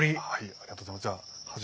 ありがとうございます。